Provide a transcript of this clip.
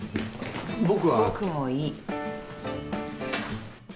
僕もいい。